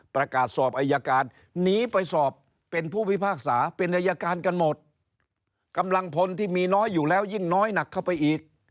ประกาศสอบอายการหนีไปสอบเป็นผู้พิพากษาเป็นอายการกันหมดกำลังพลที่มีน้อยอยู่แล้วยิ่งน้อยหนักเข้าไปอีก